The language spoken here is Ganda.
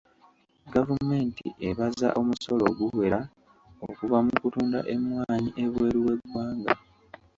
Gavumenti ebaza omusolo oguwera okuva mu kutunda emmwanyi ebweru w'eggwanga.